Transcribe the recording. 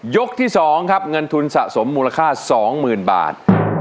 ที่๒ครับเงินทุนสะสมมูลค่า๒๐๐๐บาท